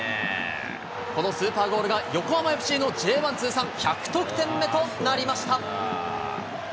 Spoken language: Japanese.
このスーパーゴールが横浜ＦＣのＪ１通算１００得点目となりました。